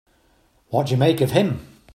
What do you make of him?